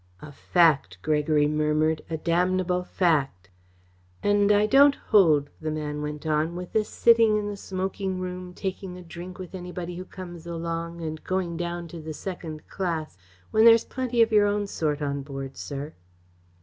"A fact," Gregory murmured; "a damnable fact!" "And I don't hold," the man went on, "with this sitting in the smoking room, taking a drink with anybody who comes along, and going down to the second class, when there's plenty of your own sort on board, sir."